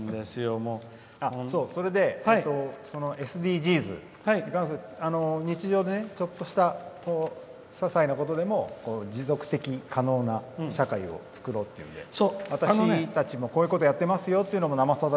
それで、ＳＤＧｓ日常でちょっとしたささいなことでも持続的可能な社会を作ろうっていうんで私たちも、こういうことをやっていますよということを「生さだ」